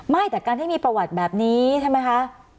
ไม่แต่การที่มีประวัติแบบนี้ใช่ไหมคะ